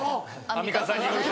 アンミカさんによると。